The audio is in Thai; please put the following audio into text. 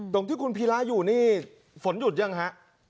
ตรงที่คุณพีระอยู่นี่ฝนหยุดยังฮะ